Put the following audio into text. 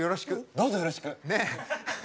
どうぞよろしく。